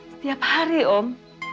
setiap hari om